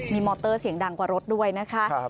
มีมอเตอร์เสียงดังกว่ารถด้วยนะคะ